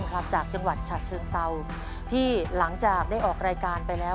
ครับจากจังหวัดฉะเชิงเศร้าที่หลังจากได้ออกรายการไปแล้ว